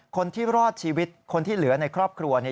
คนที่รอดชีวิตคนที่เหลือในครอบครัวเนี่ย